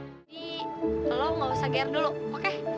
sisi lo nggak usah ger dulu oke